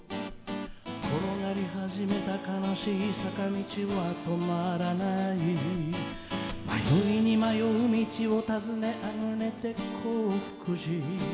「転がり始めた悲しい坂道は止まらない」「迷いに迷う道を尋ねあぐねて興福寺」